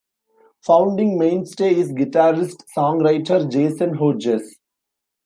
Founding mainstay is guitarist-songwriter, Jason Hodges.